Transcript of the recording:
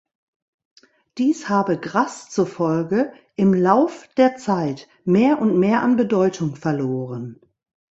Dies habe Grass zufolge im Lauf der Zeit mehr und mehr an Bedeutung verloren.